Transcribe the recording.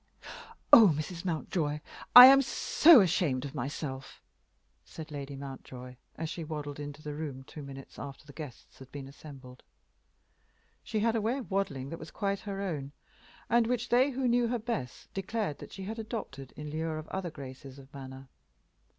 "Oh, Mrs Mountjoy, I am so ashamed of myself!" said Lady Mountjoy, as she waddled into the room two minutes after the guests had been assembled. She had a way of waddling that was quite her own, and which they who knew her best declared that she had adopted in lieu of other graces of manner.